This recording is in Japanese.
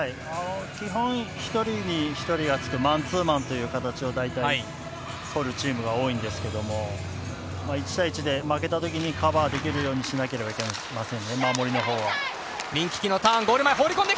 基本、１人に１人がつくマンツーマンという形を大体取るチームが多いんですけども１対１で負けたときにカバーできるようにしなければいけませんね、守りの方は。